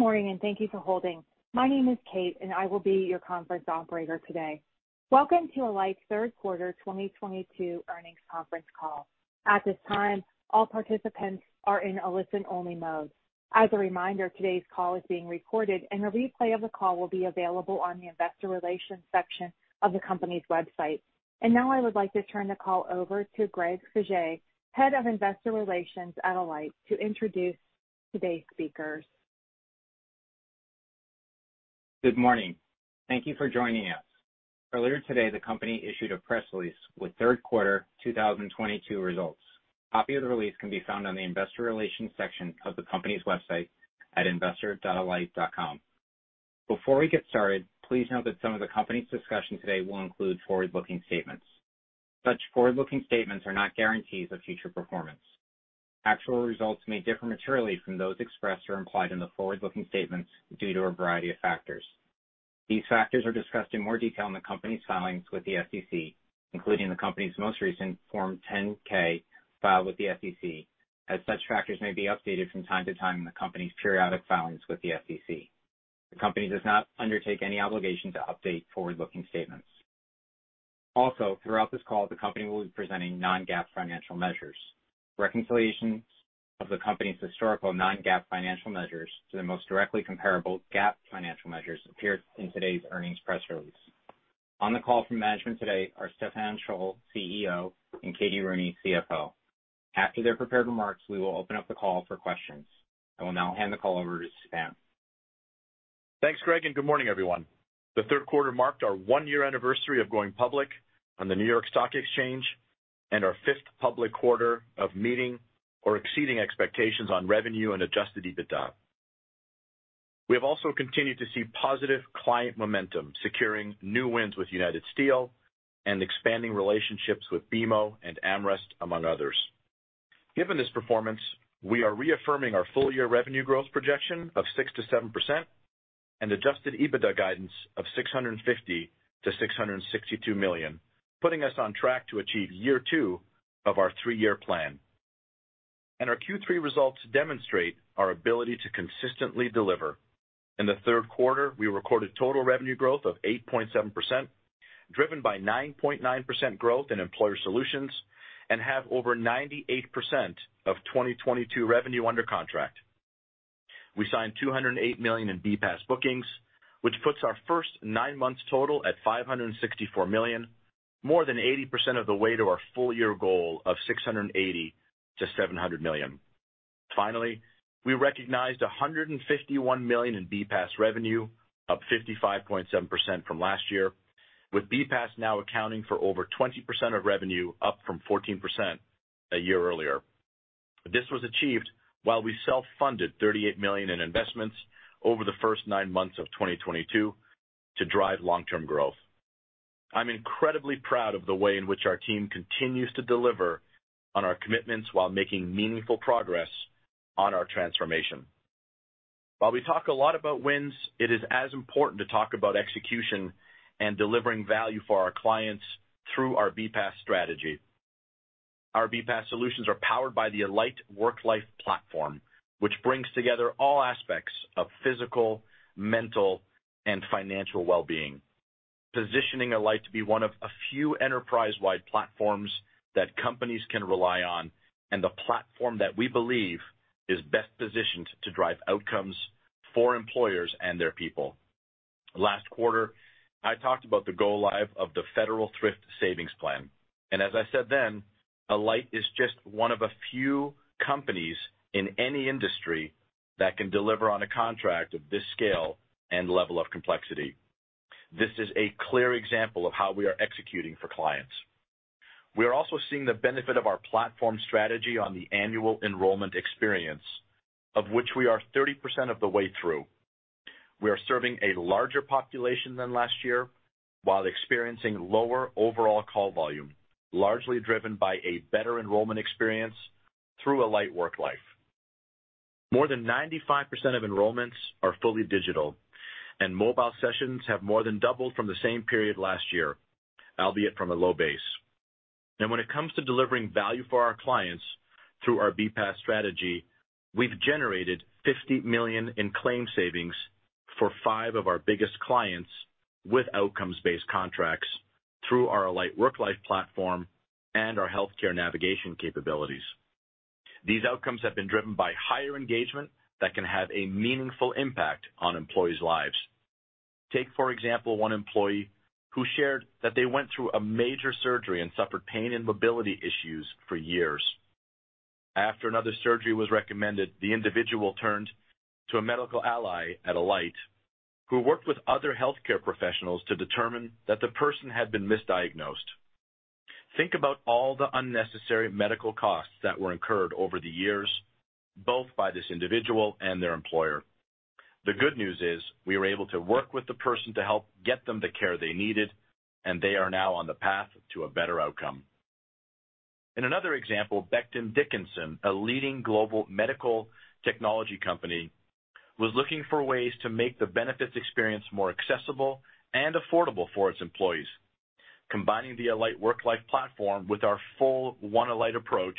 Good morning, and thank you for holding. My name is Kate, and I will be your conference operator today. Welcome to Alight's third quarter 2022 earnings conference call. At this time, all participants are in a listen-only mode. As a reminder, today's call is being recorded, and a replay of the call will be available on the investor relations section of the company's website. Now I would like to turn the call over to Greg Faje, Head of Investor Relations at Alight, to introduce today's speakers. Good morning. Thank you for joining us. Earlier today, the company issued a press release with third quarter 2022 results. Copy of the release can be found on the investor relations section of the company's website at investor.alight.com. Before we get started, please note that some of the company's discussion today will include forward-looking statements. Such forward-looking statements are not guarantees of future performance. Actual results may differ materially from those expressed or implied in the forward-looking statements due to a variety of factors. These factors are discussed in more detail in the company's filings with the SEC, including the company's most recent Form 10-K filed with the SEC, as such factors may be updated from time to time in the company's periodic filings with the SEC. The company does not undertake any obligation to update forward-looking statements. Also, throughout this call, the company will be presenting non-GAAP financial measures. Reconciliations of the company's historical non-GAAP financial measures to the most directly comparable GAAP financial measures appear in today's earnings press release. On the call from management today are Stephan Scholl, CEO, and Katie Rooney, CFO. After their prepared remarks, we will open up the call for questions. I will now hand the call over to Stephan. Thanks, Greg, and good morning, everyone. The third quarter marked our one-year anniversary of going public on the New York Stock Exchange and our fifth public quarter of meeting or exceeding expectations on revenue and adjusted EBITDA. We have also continued to see positive client momentum, securing new wins with U.S. Steel and expanding relationships with BMO and AmRest, among others. Given this performance, we are reaffirming our full-year revenue growth projection of 6%-7% and adjusted EBITDA guidance of $650 million-$662 million, putting us on track to achieve year two of our three-year plan. Our Q3 results demonstrate our ability to consistently deliver. In the third quarter, we recorded total revenue growth of 8.7%, driven by 9.9% growth in Employer Solutions and have over 98% of 2022 revenue under contract. We signed $208 million in BPaaS bookings, which puts our first nine months total at $564 million, more than 80% of the way to our full-year goal of $680 million-$700 million. Finally, we recognized $151 million in BPaaS revenue, up 55.7% from last year, with BPaaS now accounting for over 20% of revenue, up from 14% a year earlier. This was achieved while we self-funded $38 million in investments over the first nine months of 2022 to drive long-term growth. I'm incredibly proud of the way in which our team continues to deliver on our commitments while making meaningful progress on our transformation. While we talk a lot about wins, it is as important to talk about execution and delivering value for our clients through our BPaaS strategy. Our BPaaS solutions are powered by the Alight Worklife platform, which brings together all aspects of physical, mental, and financial well-being, positioning Alight to be one of a few enterprise-wide platforms that companies can rely on, and the platform that we believe is best positioned to drive outcomes for employers and their people. Last quarter, I talked about the go-live of the Federal Thrift Savings Plan, and as I said then, Alight is just one of a few companies in any industry that can deliver on a contract of this scale and level of complexity. This is a clear example of how we are executing for clients. We are also seeing the benefit of our platform strategy on the annual enrollment experience, of which we are 30% of the way through. We are serving a larger population than last year while experiencing lower overall call volume, largely driven by a better enrollment experience through Alight Worklife. More than 95% of enrollments are fully digital, and mobile sessions have more than doubled from the same period last year, albeit from a low base. When it comes to delivering value for our clients through our BPaaS strategy, we've generated $50 million in claim savings for five of our biggest clients with outcomes-based contracts through our Alight Worklife platform and our healthcare navigation capabilities. These outcomes have been driven by higher engagement that can have a meaningful impact on employees' lives. Take, for example, one employee who shared that they went through a major surgery and suffered pain and mobility issues for years. After another surgery was recommended, the individual turned to a medical ally at Alight who worked with other healthcare professionals to determine that the person had been misdiagnosed. Think about all the unnecessary medical costs that were incurred over the years, both by this individual and their employer. The good news is we were able to work with the person to help get them the care they needed, and they are now on the path to a better outcome. In another example, Becton Dickinson, a leading global medical technology company, was looking for ways to make the benefits experience more accessible and affordable for its employees. Combining the Alight Worklife Platform with our full One Alight approach,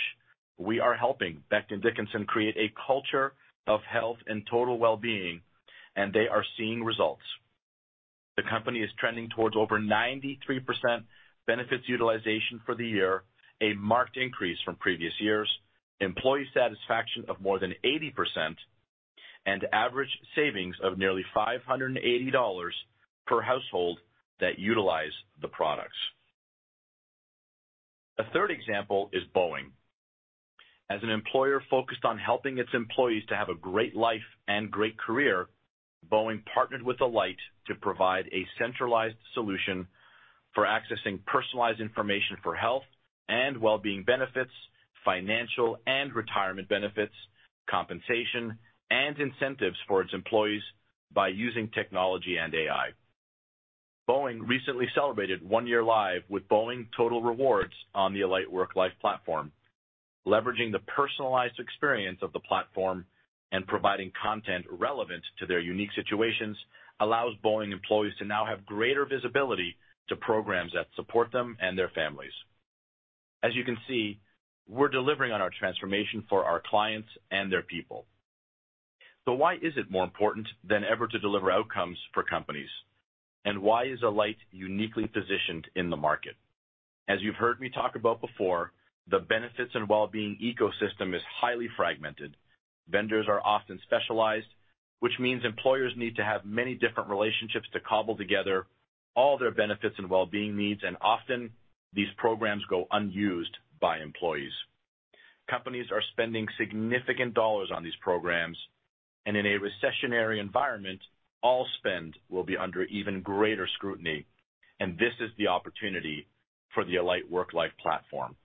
we are helping Becton Dickinson create a culture of health and total well-being, and they are seeing results. The company is trending towards over 93% benefits utilization for the year, a marked increase from previous years, employee satisfaction of more than 80%, and average savings of nearly $580 per household that utilize the products. A third example is Boeing. As an employer focused on helping its employees to have a great life and great career, Boeing partnered with Alight to provide a centralized solution for accessing personalized information for health and well-being benefits, financial and retirement benefits, compensation, and incentives for its employees by using technology and AI. Boeing recently celebrated one year live with Boeing Total Rewards on the Alight Worklife platform. Leveraging the personalized experience of the platform and providing content relevant to their unique situations allows Boeing employees to now have greater visibility to programs that support them and their families. As you can see, we're delivering on our transformation for our clients and their people. Why is it more important than ever to deliver outcomes for companies? Why is Alight uniquely positioned in the market? As you've heard me talk about before, the benefits and well-being ecosystem is highly fragmented. Vendors are often specialized, which means employers need to have many different relationships to cobble together all their benefits and well-being needs, and often these programs go unused by employees. Companies are spending significant dollars on these programs, and in a recessionary environment, all spend will be under even greater scrutiny. This is the opportunity for the Alight Worklife Platform.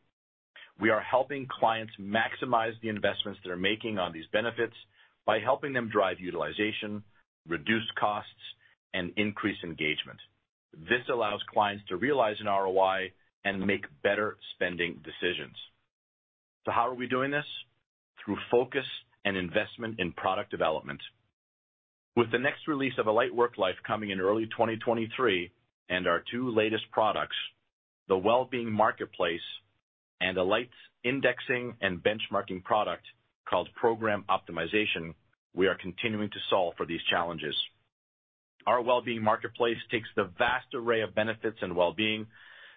We are helping clients maximize the investments they are making on these benefits by helping them drive utilization, reduce costs, and increase engagement. This allows clients to realize an ROI and make better spending decisions. How are we doing this? Through focus and investment in product development. With the next release of Alight Worklife coming in early 2023, and our two latest products, the Wellbeing Marketplace and Alight's indexing and benchmarking product called Program Optimization, we are continuing to solve for these challenges. Our Wellbeing Marketplace takes the vast array of benefits and well-being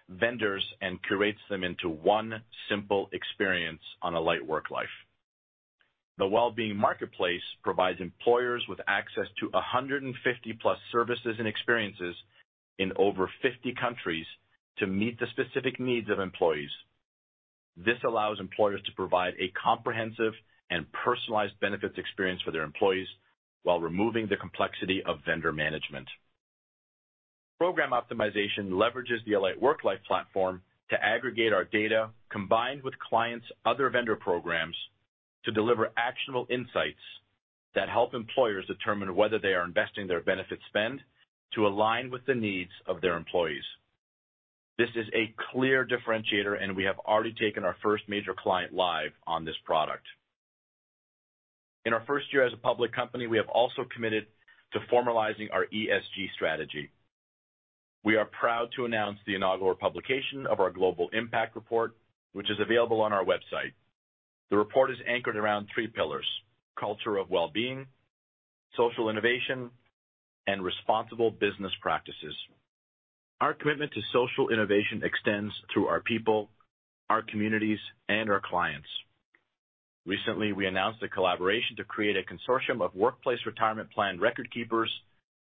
vendors and curates them into one simple experience on Alight Worklife. The Wellbeing Marketplace provides employers with access to 150+ services and experiences in over 50 countries to meet the specific needs of employees. This allows employers to provide a comprehensive and personalized benefits experience for their employees while removing the complexity of vendor management. Program Optimization leverages the Alight Worklife Platform to aggregate our data, combined with clients' other vendor programs, to deliver actionable insights that help employers determine whether they are investing their benefits spend to align with the needs of their employees. This is a clear differentiator, and we have already taken our first major client live on this product. In our first year as a public company, we have also committed to formalizing our ESG strategy. We are proud to announce the inaugural publication of our Global Impact Report, which is available on our website. The report is anchored around three pillars, culture of well-being, social innovation, and responsible business practices. Our commitment to social innovation extends through our people, our communities, and our clients. Recently, we announced a collaboration to create a consortium of workplace retirement plan record keepers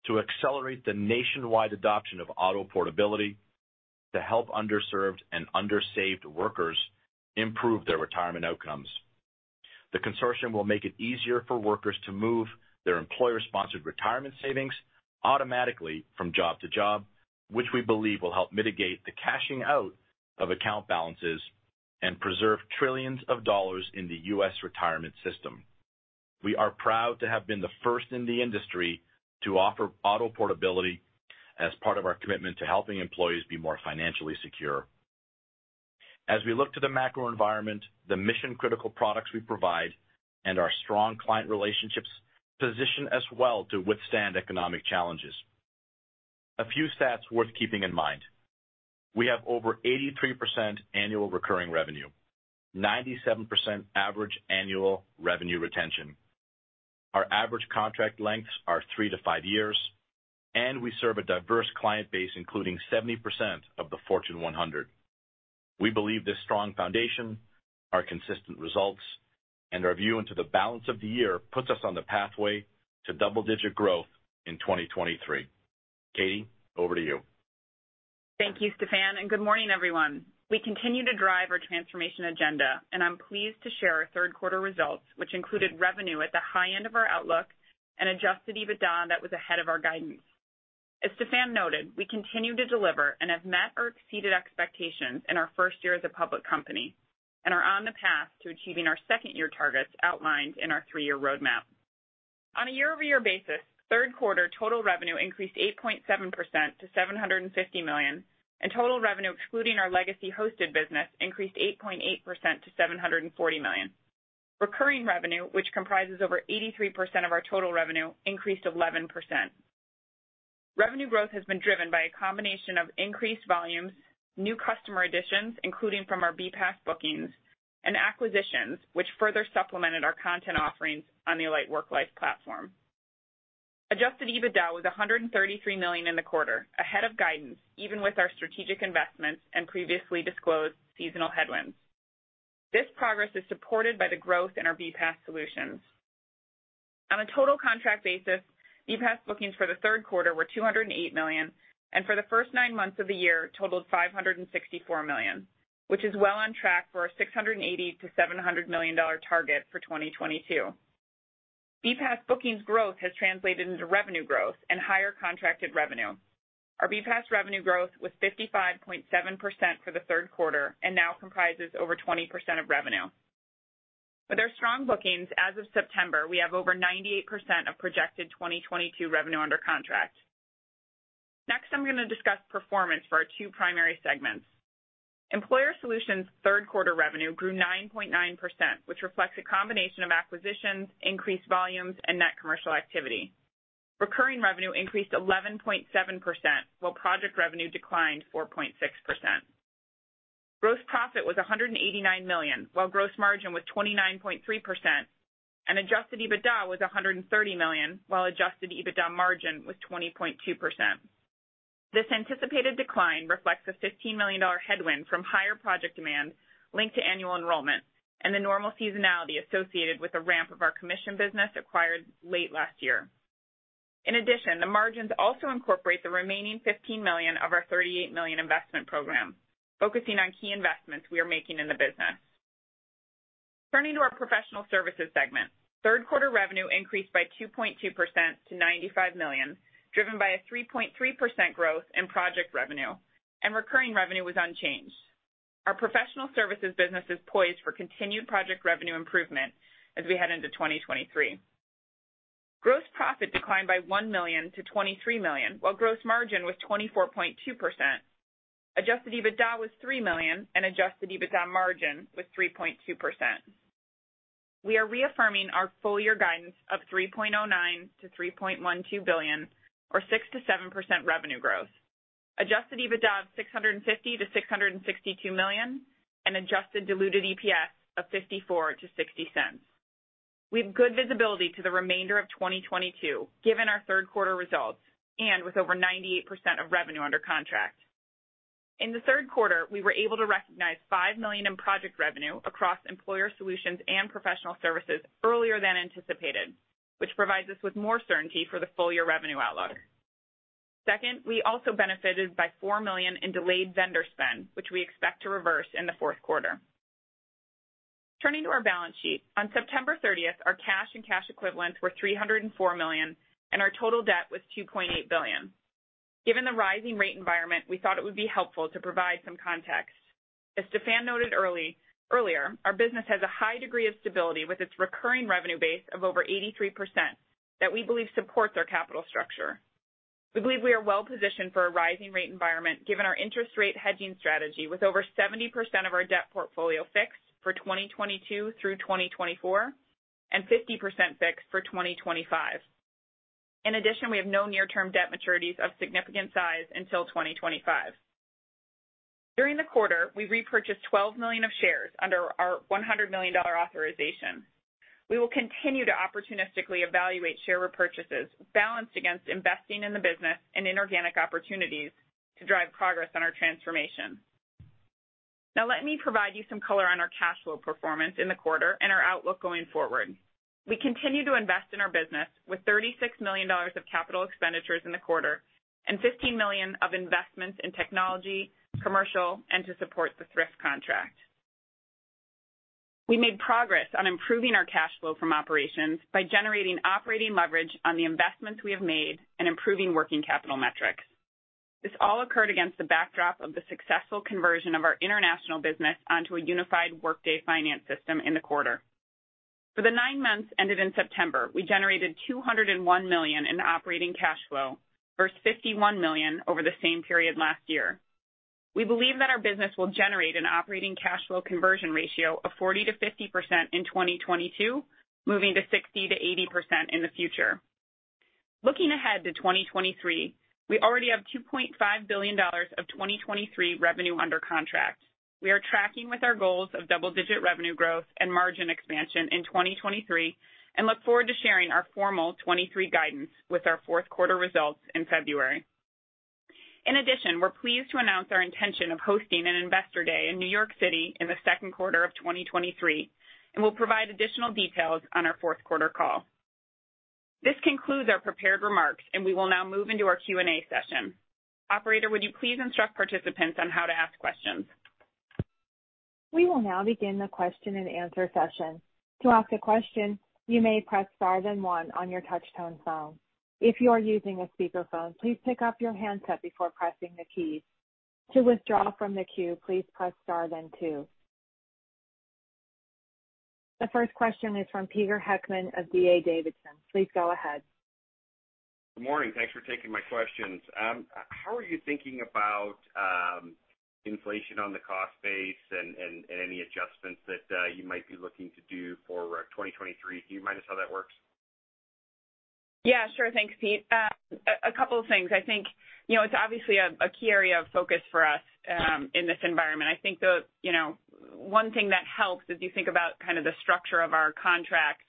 to accelerate the nationwide adoption of auto portability to help underserved and under-saved workers improve their retirement outcomes. The consortium will make it easier for workers to move their employer-sponsored retirement savings automatically from job to job, which we believe will help mitigate the cashing out of account balances and preserve trillions of dollars in the U.S. retirement system. We are proud to have been the first in the industry to offer auto portability as part of our commitment to helping employees be more financially secure. As we look to the macro environment, the mission-critical products we provide and our strong client relationships position us well to withstand economic challenges. A few stats worth keeping in mind. We have over 83% annual recurring revenue, 97% average annual revenue retention. Our average contract lengths are three to five years, and we serve a diverse client base, including 70% of the Fortune 100. We believe this strong foundation, our consistent results, and our view into the balance of the year puts us on the pathway to double-digit growth in 2023. Katie, over to you. Thank you, Stephan, and good morning, everyone. We continue to drive our transformation agenda, and I'm pleased to share our third quarter results, which included revenue at the high end of our outlook and Adjusted EBITDA that was ahead of our guidance. As Stephan noted, we continue to deliver and have met or exceeded expectations in our first year as a public company and are on the path to achieving our second-year targets outlined in our three-year roadmap. On a year-over-year basis, third quarter total revenue increased 8.7% to $750 million, and total revenue excluding our legacy hosted business increased 8.8% to $740 million. Recurring revenue, which comprises over 83% of our total revenue, increased 11%. Revenue growth has been driven by a combination of increased volumes, new customer additions, including from our BPaaS bookings and acquisitions, which further supplemented our content offerings on the Alight Worklife platform. Adjusted EBITDA was $133 million in the quarter, ahead of guidance, even with our strategic investments and previously disclosed seasonal headwinds. This progress is supported by the growth in our BPaaS solutions. On a total contract basis, BPaaS bookings for the third quarter were $208 million, and for the first nine months of the year totaled $564 million, which is well on track for a $680 million-$700 million target for 2022. BPaaS bookings growth has translated into revenue growth and higher contracted revenue. Our BPaaS revenue growth was 55.7% for the third quarter and now comprises over 20% of revenue. With our strong bookings as of September, we have over 98% of projected 2022 revenue under contract. Next, I'm gonna discuss performance for our two primary segments. Employer Solutions third quarter revenue grew 9.9%, which reflects a combination of acquisitions, increased volumes, and net commercial activity. Recurring revenue increased 11.7%, while project revenue declined 4.6%. Gross profit was $189 million, while gross margin was 29.3%, and Adjusted EBITDA was $130 million, while Adjusted EBITDA margin was 20.2%. This anticipated decline reflects a $15 million headwind from higher project demand linked to annual enrollments and the normal seasonality associated with the ramp of our commission business acquired late last year. In addition, the margins also incorporate the remaining $15 million of our $38 million investment program, focusing on key investments we are making in the business. Turning to our Professional Services segment. Third quarter revenue increased by 2.2% to $95 million, driven by a 3.3% growth in project revenue, and recurring revenue was unchanged. Our professional services business is poised for continued project revenue improvement as we head into 2023. Gross profit declined by $1 million-$23 million, while gross margin was 24.2%. Adjusted EBITDA was $3 million and Adjusted EBITDA margin was 3.2%. We are reaffirming our full-year guidance of $3.09 billion-$3.12 billion or 6%-7% revenue growth. Adjusted EBITDA of $650 million-$662 million and adjusted diluted EPS of $0.54-$0.60. We have good visibility to the remainder of 2022, given our third quarter results and with over 98% of revenue under contract. In the third quarter, we were able to recognize $5 million in project revenue across Employer Solutions and Professional Services earlier than anticipated, which provides us with more certainty for the full-year revenue outlook. Second, we also benefited by $4 million in delayed vendor spend, which we expect to reverse in the fourth quarter. Turning to our balance sheet. On September 30, our cash and cash equivalents were $304 million, and our total debt was $2.8 billion. Given the rising rate environment, we thought it would be helpful to provide some context. As Stephan noted earlier, our business has a high degree of stability with its recurring revenue base of over 83% that we believe supports our capital structure. We believe we are well positioned for a rising rate environment, given our interest rate hedging strategy with over 70% of our debt portfolio fixed for 2022 through 2024 and 50% fixed for 2025. In addition, we have no near-term debt maturities of significant size until 2025. During the quarter, we repurchased 12 million shares under our $100 million authorization. We will continue to opportunistically evaluate share repurchases balanced against investing in the business and inorganic opportunities to drive progress on our transformation. Now, let me provide you some color on our cash flow performance in the quarter and our outlook going forward. We continue to invest in our business with $36 million of capital expenditures in the quarter and $15 million of investments in technology, commercial, and to support the THRIFT contract. We made progress on improving our cash flow from operations by generating operating leverage on the investments we have made and improving working capital metrics. This all occurred against the backdrop of the successful conversion of our international business onto a unified Workday finance system in the quarter. For the nine months ended in September, we generated $201 million in operating cash flow versus $51 million over the same period last year. We believe that our business will generate an operating cash flow conversion ratio of 40%-50% in 2022, moving to 60%-80% in the future. Looking ahead to 2023, we already have $2.5 billion of 2023 revenue under contract. We are tracking with our goals of double-digit revenue growth and margin expansion in 2023 and look forward to sharing our formal 2023 guidance with our fourth quarter results in February. In addition, we're pleased to announce our intention of hosting an Investor Day in New York City in the second quarter of 2023, and we'll provide additional details on our fourth quarter call. This concludes our prepared remarks, and we will now move into our Q&A session. Operator, would you please instruct participants on how to ask questions? We will now begin the question-and-answer session. To ask a question, you may press star then one on your touchtone phone. If you are using a speakerphone, please pick up your handset before pressing the keys. To withdraw from the queue, please press star then two. The first question is from Peter Heckmann of D.A. Davidson. Please go ahead. Good morning. Thanks for taking my questions. How are you thinking about inflation on the cost base and any adjustments that you might be looking to do for 2023? Can you walk us through how that works? Yeah, sure. Thanks, Pete. A couple of things. I think, you know, it's obviously a key area of focus for us in this environment. I think, you know, the one thing that helps, as you think about kind of the structure of our contracts,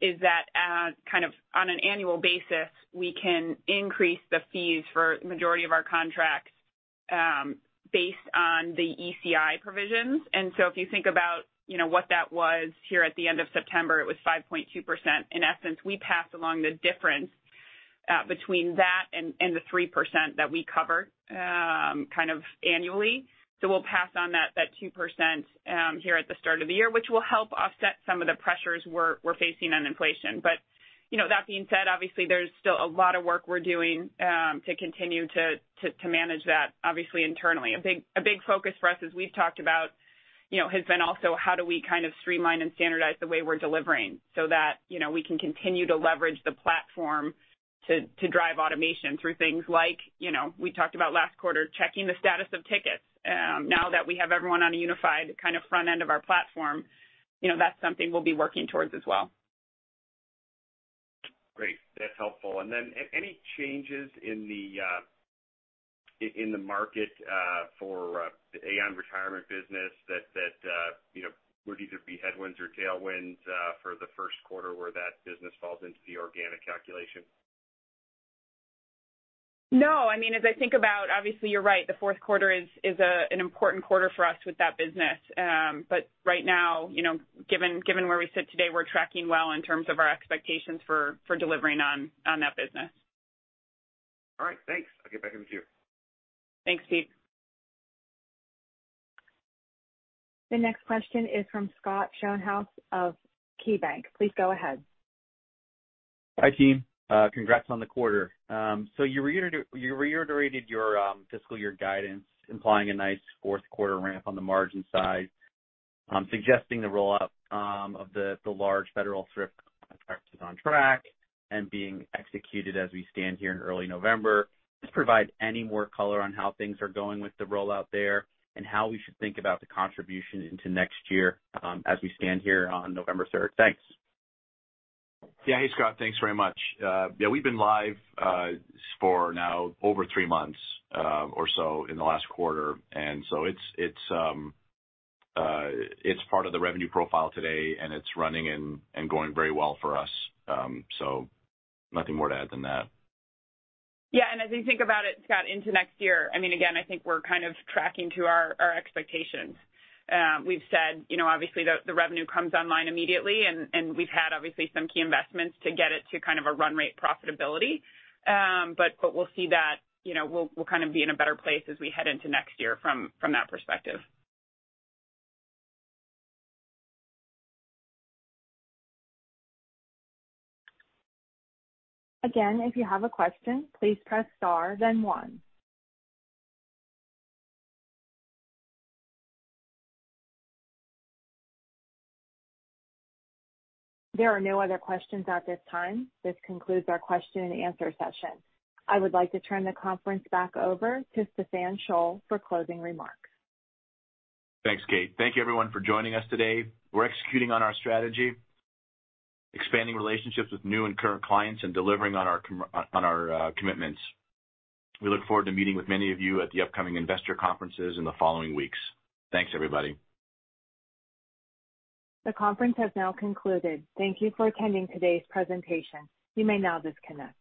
is that as kind of on an annual basis, we can increase the fees for majority of our contracts based on the ECI provisions. If you think about, you know, what that was here at the end of September, it was 5.2%. In essence, we pass along the difference between that and the 3% that we cover kind of annually. We'll pass on that 2% here at the start of the year, which will help offset some of the pressures we're facing on inflation. you know, that being said, obviously there's still a lot of work we're doing to continue to manage that, obviously internally. A big focus for us, as we've talked about, you know, has been also how do we kind of streamline and standardize the way we're delivering so that, you know, we can continue to leverage the platform to drive automation through things like, you know, we talked about last quarter, checking the status of tickets. Now that we have everyone on a unified kind of front end of our platform, you know, that's something we'll be working towards as well. Great. That's helpful. Any changes in the market for the Aon Retirement business that you know would either be headwinds or tailwinds for the first quarter where that business falls into the organic calculation? No. I mean, as I think about obviously you're right, the fourth quarter is an important quarter for us with that business. But right now, you know, given where we sit today, we're tracking well in terms of our expectations for delivering on that business. All right. Thanks. I'll get back with you. Thanks, Pete. The next question is from Scott Schoenhaus of KeyBanc Capital Markets. Please go ahead. Hi, team. Congrats on the quarter. You reiterated your fiscal year guidance, implying a nice fourth quarter ramp on the margin side, suggesting the rollout of the large federal thrift contract is on track and being executed as we stand here in early November. Just provide any more color on how things are going with the rollout there, and how we should think about the contribution into next year, as we stand here on November third. Thanks. Yeah. Hey, Scott. Thanks very much. Yeah, we've been live for now over three months or so in the last quarter. It's part of the revenue profile today, and it's running and going very well for us. Nothing more to add than that. Yeah. As you think about it, Scott, into next year, I mean, again, I think we're kind of tracking to our expectations. We've said, you know, obviously the revenue comes online immediately and we've had obviously some key investments to get it to kind of a run rate profitability. But we'll see that. You know, we'll kind of be in a better place as we head into next year from that perspective. Again, if you have a question, please press Star then One. There are no other questions at this time. This concludes our question and answer session. I would like to turn the conference back over to Stephan Scholl for closing remarks. Thanks, Kate. Thank you everyone for joining us today. We're executing on our strategy, expanding relationships with new and current clients and delivering on our commitments. We look forward to meeting with many of you at the upcoming investor conferences in the following weeks. Thanks, everybody. The conference has now concluded. Thank you for attending today's presentation. You may now disconnect.